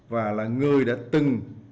và là người đã từng